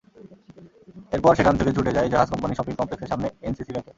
এরপর সেখান থেকে ছুটে যাই জাহাজ কোম্পানি শপিং কমপ্লেক্সের সামনে এনসিসি ব্যাংকে।